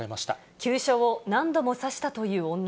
急所を何度も刺したという女。